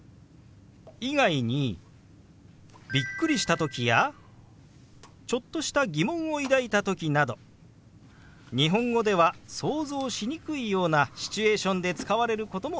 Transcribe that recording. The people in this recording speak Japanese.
以外にびっくりした時やちょっとした疑問を抱いた時など日本語では想像しにくいようなシチュエーションで使われることもあります。